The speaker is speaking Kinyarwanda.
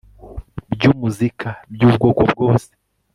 by umuzika by ubwoko bwose